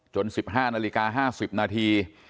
๑๕นาฬิกา๕๐นาที